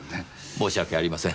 申し訳ありません。